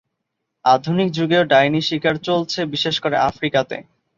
আধুনিক যুগেও ডাইনি শিকার চলছে বিশেষ করে আফ্রিকাতে।